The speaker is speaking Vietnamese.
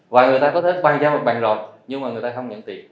và người ta có thể bàn giao mặt bằng rồi nhưng mà người ta không nhận tiền